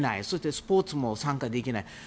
そしてスポーツも参加できない。